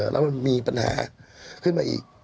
แล้วมันมีปัญหาขึ้นมาอีก